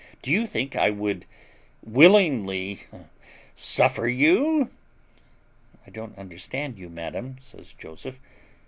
Do you think I would willingly suffer you?" "I don't understand you, madam," says Joseph.